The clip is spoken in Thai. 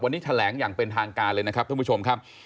วันนี้แถลงอย่างเป็นทางการเลยนะครับ